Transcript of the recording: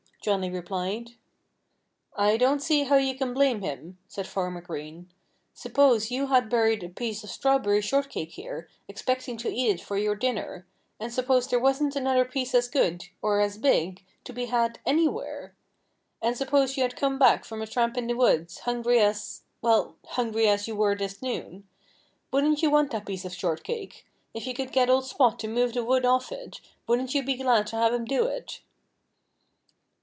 Johnnie replied. "I don't see how you can blame him," said Farmer Green. "Suppose you had buried a piece of strawberry shortcake here, expecting to eat it for your dinner. And suppose there wasn't another piece as good or as big to be had anywhere. And suppose you had come back from a tramp in the woods, hungry as well, hungry as you were this noon. Wouldn't you want that piece of shortcake? If you could get old Spot to move the wood off it, wouldn't you be glad to have him do it?"